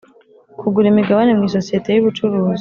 Kugura imigabane mu isosiyete y ubucuruzi